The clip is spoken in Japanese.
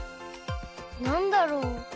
なんだろう？